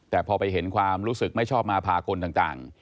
แต่พอไปเห็นความรู้สึกไม่ชอบมาพากลต่าง